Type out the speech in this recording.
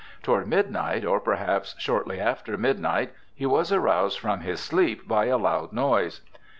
Toward midnight, or perhaps shortly after midnight, he was aroused from his sleep by a loud noise.